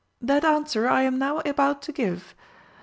That answer I am now about to give.